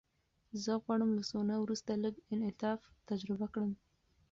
زه غواړم له سونا وروسته لږ انعطاف تجربه کړم.